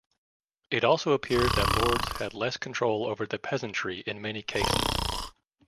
It also appears that lords had less control over the peasantry in many cases.